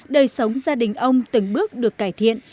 đời sống gia đình ông từng bước được cải thiện